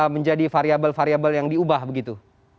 menjadi variabel variabel yang diubah begitu